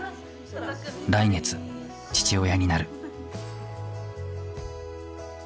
来月父親になる。